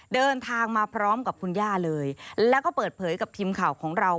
เดินทางมาพร้อมกับคุณย่าเลยแล้วก็เปิดเผยกับทีมข่าวของเรา